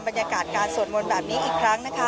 บรรยากาศการสวดมนต์แบบนี้อีกครั้งนะคะ